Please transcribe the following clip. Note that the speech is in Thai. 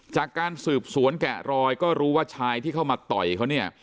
จากการสืบสวนแกะรอยก็รู้ว่าชายที่เข้ามาต่อยเขาเนี่ย